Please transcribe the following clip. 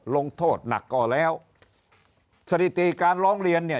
ลงโทษหนักก็แล้วสถิติการร้องเรียนเนี่ย